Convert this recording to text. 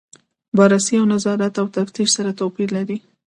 بررسي او نظارت او تفتیش سره توپیر لري.